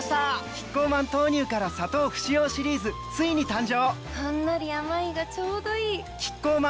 キッコーマン豆乳から砂糖不使用シリーズついに誕生！